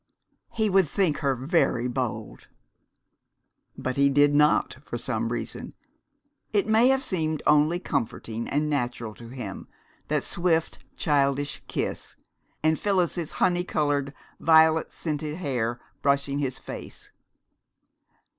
He would think her very bold! But he did not, for some reason. It may have seemed only comforting and natural to him, that swift childish kiss, and Phyllis's honey colored, violet scented hair brushing his face.